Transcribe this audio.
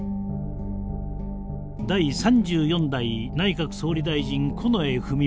第３４代内閣総理大臣近衛文麿。